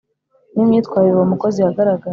ni myitwarire uwo umukozi yagaragaje